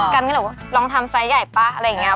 กันก็เลยบอกว่าลองทำไซส์ใหญ่ป่ะอะไรอย่างนี้